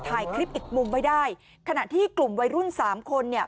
ถ่ายคลิปอีกมุมไว้ได้ขณะที่กลุ่มวัยรุ่นสามคนเนี่ย